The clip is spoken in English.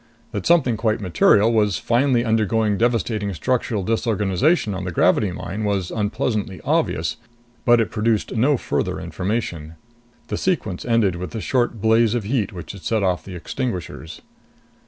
That something quite material was finally undergoing devastating structural disorganization on the gravity mine was unpleasantly obvious, but it produced no further information. The sequence ended with the short blaze of heat which had set off the extinguishers.